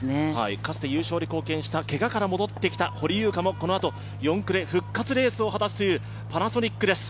かつて優勝に貢献した、けがから戻ってきた堀優花もこのあと４区で復活レースを果たすというパナソニックです。